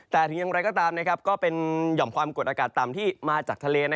แต่ถึงอย่างไรก็ตามก็เป็นหย่อมความกดอากาศต่ำที่มาจากทะเล